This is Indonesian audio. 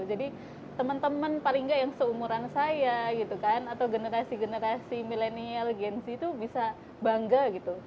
jadi teman teman paling nggak yang seumuran saya gitu kan atau generasi generasi millennial gen z itu bisa bangga gitu